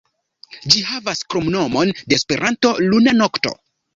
Ĝi havas kromnomon de Esperanto, "Luna Nokto".